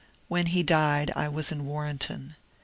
When he died I was in Warrenton.